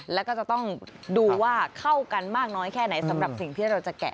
แล้วก็จะต้องดูว่าเข้ากันมากน้อยแค่ไหนสำหรับสิ่งที่เราจะแกะ